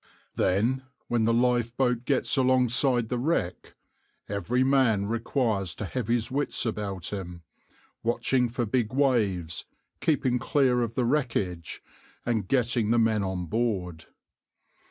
Then, when the lifeboat gets alongside the wreck, every man requires to have his wits about him, watching for big waves, keeping clear of the wreckage, and getting the men on board.